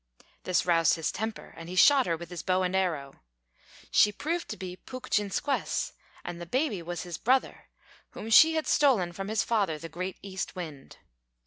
This roused his temper, and he shot her with his bow and arrow. She proved to be Pūkjinsquess, and the baby was his brother, whom she had stolen from his father, the great East Wind.